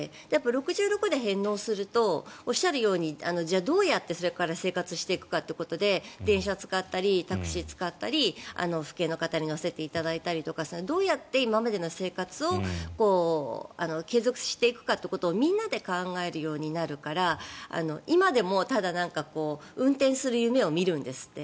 ６６で返納するとおっしゃるようにどうやってそれから生活していくかということで電車を使ったりタクシーを使ったり父兄の方に乗せていただいたりとかどうやって今までの生活を継続していくかということをみんなで考えるようになるから今でも、ただ運転する夢を見るんですって。